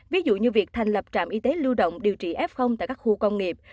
ví dụ như việc thành lập trạm y tế lưu động điều trị f tại các khu công nghiệp